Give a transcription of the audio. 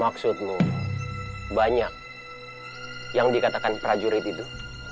maksudmu banyak yang dikatakan prajurit itu